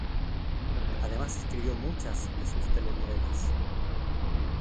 Además escribió muchas de sus telenovelas.